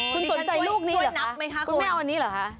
คุณสนใจลูกนี้เหรอคะคุณไม่เอาอันนี้เหรอคะ